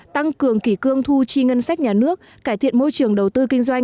tăng cường kỷ cương thu chi ngân sách nhà nước cải thiện môi trường đầu tư kinh doanh